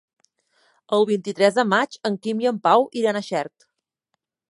El vint-i-tres de maig en Quim i en Pau iran a Xert.